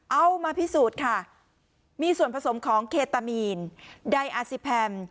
เอามาพิสูจน์ค่ะมีส่วนผสมของเคตามีนไดอาซิแพม